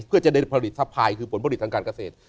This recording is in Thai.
เพื่อจะได้ผลิตทะพายคือผลผลิตทางการเกษตร